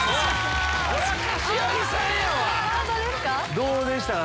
どうでしたか？